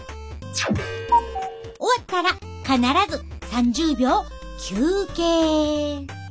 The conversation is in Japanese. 終わったら必ず３０秒休憩。